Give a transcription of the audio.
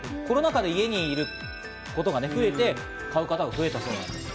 コロナ禍で家にいることが多くて買う方が増えたそうです。